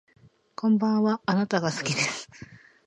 こんばんはあなたが好きです